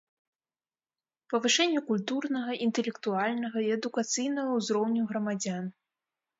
Павышэнне культурнага, iнтэлектуальнага i адукацыйнага ўзроўню грамадзян.